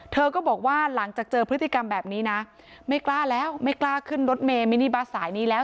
เธอก็บอกว่าหลังจากเจอพฤติกรรมแบบนี้นะไม่กล้าแล้วไม่กล้าขึ้นรถเมมินิบัสสายนี้แล้ว